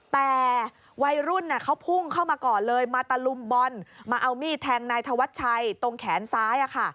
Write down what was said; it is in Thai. แต่วัยรุ่นเขาพุ่งเข้ามาก่อนเลยมาตะลุมบอลมาเอามีดแทงนายธวัชชัยตรงแขนซ้าย